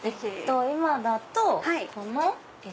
今だとこの。